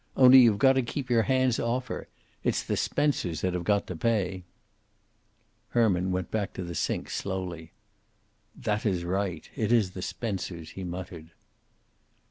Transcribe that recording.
Only you've got to keep your hands off her. It's the Spencers that have got to pay." Herman went back to the sink, slowly. "That is right. It is the Spencers," he muttered.